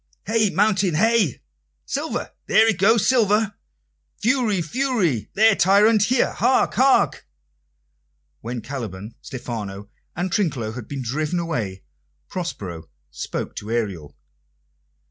"Hey, Mountain, hey!" "Silver! There it goes, Silver!" "Fury, Fury! There, Tyrant, there! Hark, hark!" When Caliban, Stephano, and Trinculo had been driven away, Prospero spoke to Ariel.